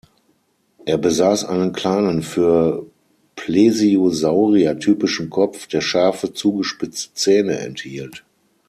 Er besaß einen kleinen, für Plesiosaurier typischen Kopf, der scharfe, zugespitzte Zähne enthielt.